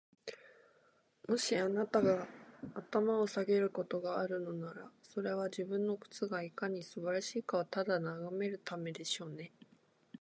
もし、あなたが頭を下げることがあるのなら、それは、自分の靴がいかに素晴らしいかをただ眺めるためでしょうね。